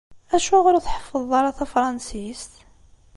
Acuɣeṛ ur tḥeffḍeḍ ara tafṛansist?